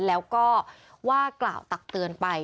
และกำล่าวตักเตือนไป